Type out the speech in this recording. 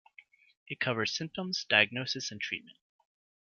It covers symptoms, diagnosis and treatment.